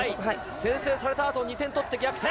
先制されたあと、２点取って逆転。